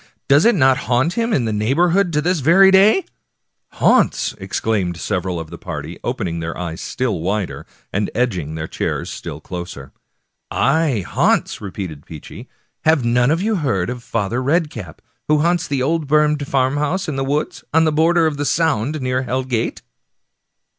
" Does it not haunt in the neighborhood to this very day ?"" Haunts !" exclaimed several of the party, opening their eyes still wider, and edging their chairs still closer. " Aye, haunts," repeated Peechy ;" have none of you heard of Father Red cap, who haunts the old burned farm house in the woods, on the border of the Sound, near Hell Gate?"